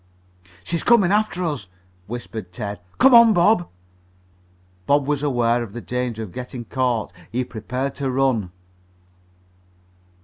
"She's comin' after us," whispered Ted. "Come on, Bob." Bob was aware of the danger of getting caught. He prepared to run.